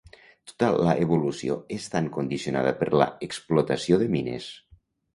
Tota la evolució és tan condicionada per la explotació de mines.